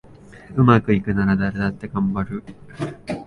うまくいくなら誰だってがんばる